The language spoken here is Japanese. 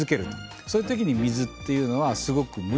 そういうときに水っていうのはすごく向いてる。